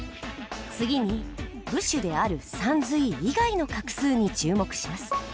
次に部首である「さんずい」以外の画数に注目します。